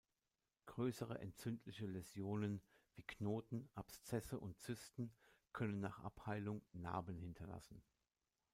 Größere entzündliche Läsionen wie Knoten, Abszesse und Zysten können nach Abheilung Narben hinterlassen.